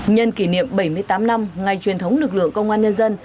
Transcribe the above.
nhân kỷ niệm bảy mươi tám năm ngày truyền thống lực lượng công an nhân dân